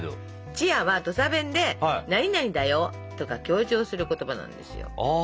「ちや」は土佐弁で「なになにだよ」とか強調する言葉なんですよ。